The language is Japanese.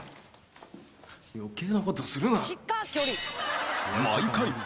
「余計なことするな」